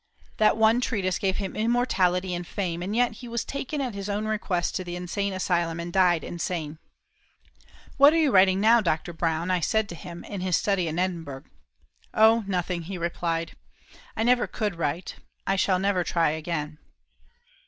That one treatise gave him immortality and fame, and yet he was taken at his own request to the insane asylum and died insane. "What are you writing now, Dr. Brown?" I said to him in his study in Edinburgh. "Oh, nothing," he replied, "I never could write. I shall never try again."